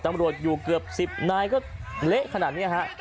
ตำรวจอยู่เกือบ๑๐นายก็เละขนาดนี้ฮะ